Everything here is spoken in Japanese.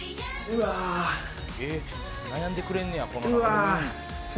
「えっ悩んでくれんねやこの中で」